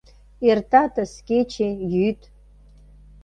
Эртатыс кече, йÿд.